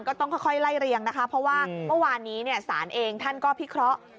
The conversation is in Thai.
ก็ต้องค่อยไล่เรียงนะคะเพราะว่าเมื่อวานนี้ศาลเองท่านก็พิเคราะห์